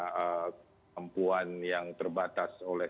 perempuan yang terbatas oleh